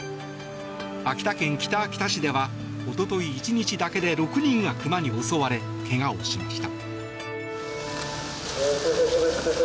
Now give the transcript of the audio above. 秋田県北秋田市ではおととい１日だけで６人が熊に襲われ怪我をしました。